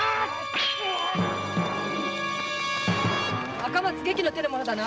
赤松外記の手の者だな？